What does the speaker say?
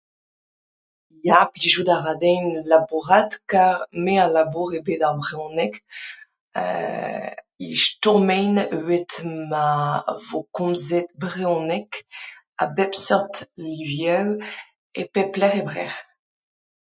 ya plijout a rin labourat kar me a labour e bed ar brezhoneg euu o stourmiñ evit ma vo komzet brezhoneg a bep seurt livioù e pep lec'h e Breizh.